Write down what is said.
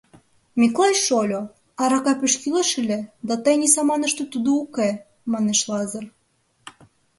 — Миклай шольо, арака пеш кӱлеш ыле да тений саманыште тудо уке, — манеш Лазыр.